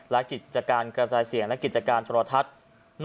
และกิจการกระทัดละกันเชี่ยงและกิจการท้อลลาทัศน์